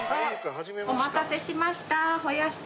お待たせしました。